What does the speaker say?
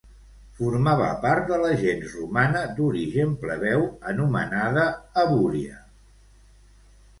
Formava part de la gens romana d'origen plebeu anomenada Abúria.